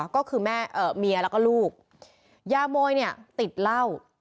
ก็คือแม่เมียแล้วก็ลูกยาโมยเนี่ยติดเหล้า